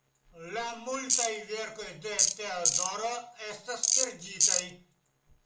La multaj verkoj de Teodoro estas perditaj.